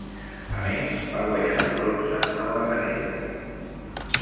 A més va guanyar el bronze en les anelles.